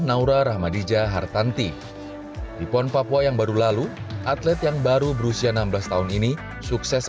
naura rahmadija hartanti di pon papua yang baru lalu atlet yang baru berusia enam belas tahun ini sukses